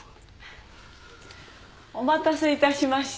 お待たせいたしました。